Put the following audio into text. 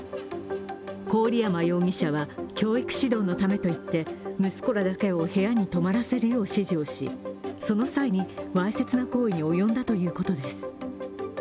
郡山容疑者は、教育指導のためといって息子らだけを部屋に泊まらせるよう指示をしその際にわいせつな行為に及んだということです。